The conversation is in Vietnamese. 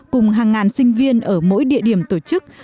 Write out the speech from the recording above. cùng hàng ngàn sinh viên ở mỗi địa điểm tổ chức